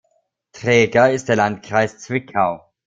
Träger ist der Landkreis Zwickau.